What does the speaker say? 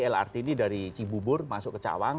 lrt ini dari cibubur masuk ke cawang